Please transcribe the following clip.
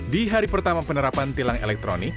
di hari pertama penerapan tilang elektronik